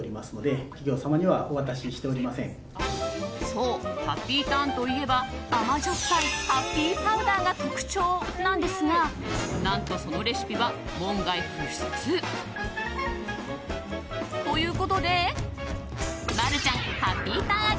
そう、ハッピーターンといえば甘じょっぱいハッピーパウダーが特徴なんですが何と、そのレシピは門外不出。ということで、マルちゃんハッピーターン味